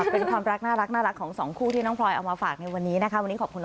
เป็นความรักของสองคู่ที่น้องพลอยเอามาฝากในวันนี้นะคะ